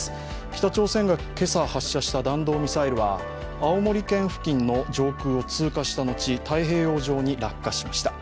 北朝鮮が今朝発射した弾道ミサイルは、青森県付近の上空を通過した後、太平洋上に落下しました。